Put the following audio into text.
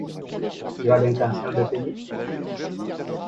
Tu as l'intention de payer ?